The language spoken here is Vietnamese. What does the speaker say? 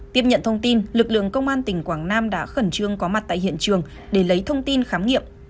tiếp nhận thông tin lực lượng công an tỉnh quảng nam đã khẩn trương có mặt tại hiện trường để lấy thông tin khám nghiệm